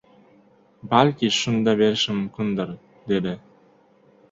balki shunda berishi mumkindir”, dedi.